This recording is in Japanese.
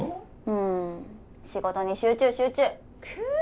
うん仕事に集中集中くう